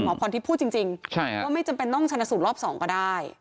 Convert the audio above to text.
พรทิพย์พูดจริงว่าไม่จำเป็นต้องชนะสูตรรอบ๒ก็ได้